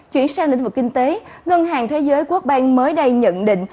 chuyển sang lĩnh vực kinh tế ngân hàng thế giới quốc bang mới đây nhận định